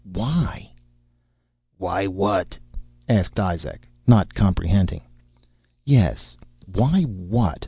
Why?" "Why what?" asked Izak, not comprehending. "Yes, why what?"